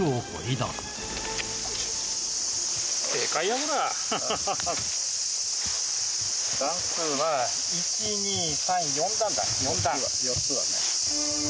段数は１、２、３、４段だ。